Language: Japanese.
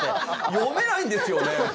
読めないんですよね